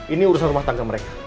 ini urusan rumah tangga mereka